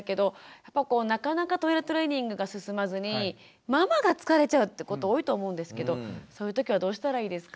やっぱこうなかなかトイレトレーニングが進まずにママが疲れちゃうってこと多いと思うんですけどそういう時はどうしたらいいですか？